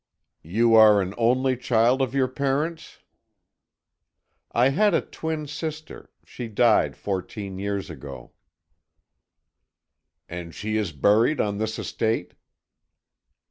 "You are an only child of your parents?" "I had a twin sister. She died fourteen years ago." "And she is buried on this estate?"